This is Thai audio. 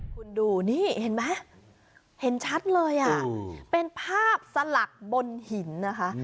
คุณดูนี่เห็นไหมเห็นชัดเลยอ่ะเป็นภาพสลักบนหินนะคะ